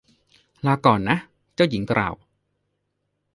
ลาก่อนนะ เจ้าหญิงกล่าว